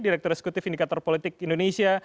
direktur eksekutif indikator politik indonesia